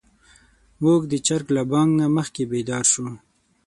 موږ د چرګ له بانګ نه مخکې بيدار شوو.